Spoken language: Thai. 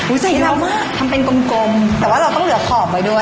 อุ้ยใส่เรามากทำเป็นกลมกลมแต่ว่าเราต้องเหลือขอบไว้ด้วยค่ะ